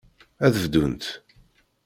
Ad bdunt.